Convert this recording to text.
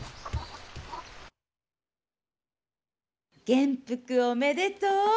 元服おめでとう。